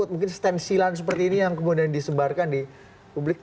mungkin stensilan seperti ini yang kemudian disebarkan di publik